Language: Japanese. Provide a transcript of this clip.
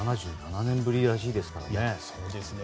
７７年ぶりらしいですからね。